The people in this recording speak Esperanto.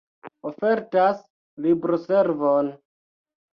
Ofertas libroservon.